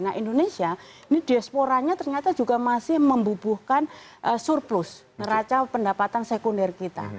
nah indonesia ini diasporanya ternyata juga masih membubuhkan surplus neraca pendapatan sekunder kita